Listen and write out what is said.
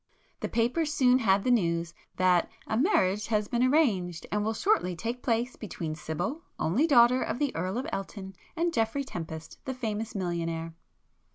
The papers soon had the news that "a marriage has been arranged and will shortly take place between Sibyl, only daughter of the Earl of Elton, and Geoffrey Tempest, the famous millionaire."